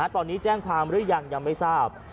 ตอนนี้แจ้งความหรือยังยังไม่ทราบ